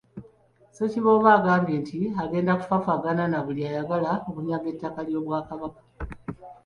Ssekiboobo agambye nti agenda kufaafaagana na buli ayagala okunyaga ettaka ly’Obwakabaka.